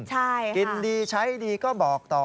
ใช่ค่ะกินดีใช้ดีก็บอกต่อ